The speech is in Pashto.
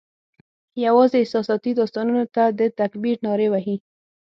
یوازي احساساتي داستانونو ته د تکبیر نارې وهي